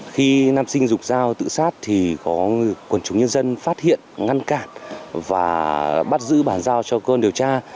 khi nam sinh dùng dao tự sát quần chúng nhân dân phát hiện ngăn cản và bắt giữ bản dao cho cơn điều tra